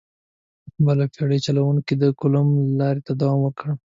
بل بېړۍ چلوونکي د کولمب لارې ته دوام ورکړ.